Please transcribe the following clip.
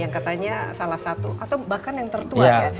yang katanya salah satu atau bahkan yang tertua ya